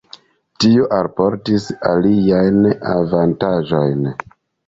Tio alportis aliajn avantaĝojn.